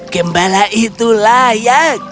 kembala itu layak